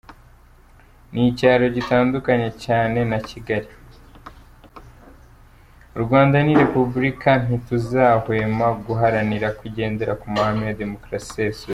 U Rwanda ni Repubulika, ntituzahwema guharanira ko igendera ku mahame ya Demokarasi isesuye.